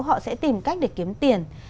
họ sẽ tìm cách để kiếm tiền